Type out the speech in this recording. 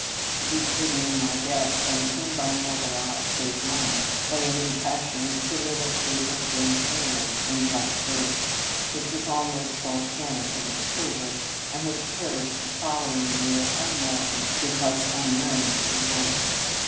Deep hidden in my desk, unseen by mortal eye save mine, lay an impas sioned " Soliloquy of Jane Eyre," in blank verse, which was almost vol canic in its fervour, and which perished the following year, un mourned, because unknown to the world.